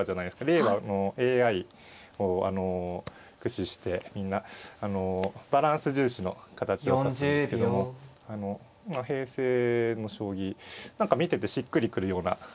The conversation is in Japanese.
令和あのＡＩを駆使してみんなあのバランス重視の形を指すんですけども平成の将棋何か見ててしっくりくるような。